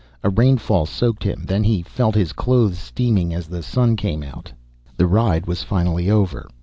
A rainfall soaked him, then he felt his clothes steaming as the sun came out. The ride was finally over.